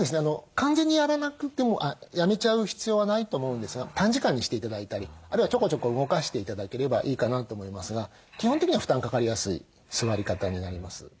完全にやめちゃう必要はないと思うんですが短時間にして頂いたりあるいはちょこちょこ動かして頂ければいいかなと思いますが基本的には負担かかりやすい座り方になります。